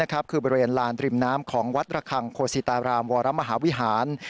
คือบริเวณลานริมน้ำของวัดระคังโคศิตารามวรมหาวิหาร